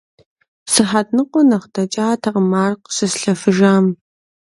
Сыхьэт ныкъуэ нэхъ дэкӀатэкъым ар къыщыслъэфыжам.